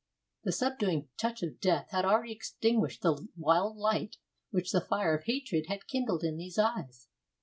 The subduing touch of death had already extinguished the wild light which the fire of hatred had kindled in these eyes.